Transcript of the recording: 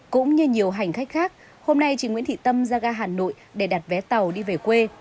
cũng như nhiều hành khách khác hôm nay chị nguyễn thị tâm ra ga hà nội để đặt vé tàu đi về quê